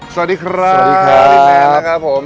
สวัสดีครับสวัสดีครับพี่แมนนะครับผม